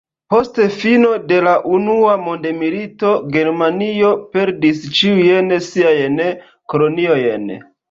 Post fino de la unua mondmilito, Germanio perdis ĉiujn siajn koloniojn.